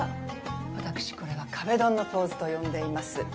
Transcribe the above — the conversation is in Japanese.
私これは壁ドンのポーズと呼んでいます。